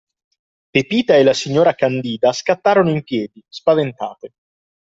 Pepita e la signora Candida scattarono in piedi, spaventate.